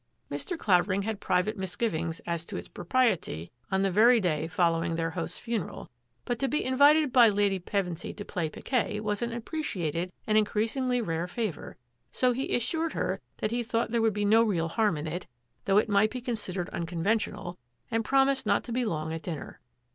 " Mr. Clavering had private misgivings as to its propriety on the very day following their host's funeral, but to be invited by Lady Pevensy to play piquet was an appreciated, and increasingly rare, favour, so he assured her that he thought there could be no real harm in it, though it might be con sidered unconventional, and promised not to be long at dinner.